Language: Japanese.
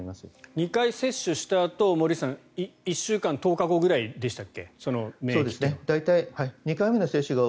２回接種したあと１週間、１０日後ぐらいでしたっけ？